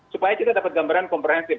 supaya kita dapat gambaran komprehensif